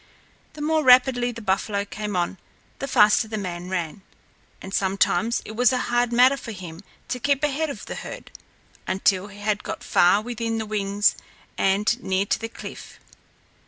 The more rapidly the buffalo came on, the faster the man ran and sometimes it was a hard matter for him to keep ahead of the herd until he had got far within the wings and near to the cliff.